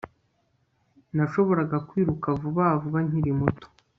Nashoboraga kwiruka vuba vuba nkiri muto